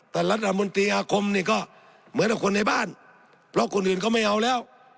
แต่รัฐมนตรีอาคมนี่ก็เหมือนกับคนในบ้านเพราะคนอื่นเขาไม่เอาแล้ว